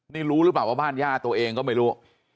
นี่รู้หรือเปล่าว่าบ้านย่าตัวเองก็ไม่รู้